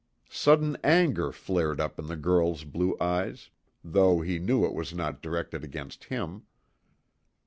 Sudden anger flared up in the girl's blue eyes, though, he knew it was not directed against him.